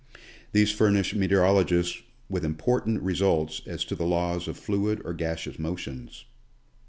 These furnish meteorologists with important re sults as to the laws of fluid or gaseous motions.